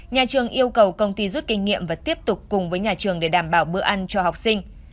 nhà trường yêu cầu công ty rút kinh nghiệm và tiếp tục cùng với nhà trường để đảm bảo bữa ăn cho học sinh